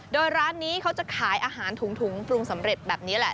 โดยร้านนี้เขาจะขายอาหารถุงปรุงสำเร็จแบบนี้แหละ